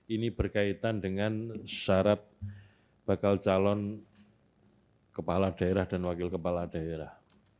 ini berkaitan dengan syarat bakal calon kepala daerah dan wakil kepala daerah